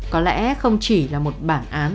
có lẽ không chỉ là một bản án